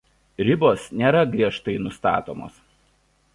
Ribos nėra griežtai nustatomos.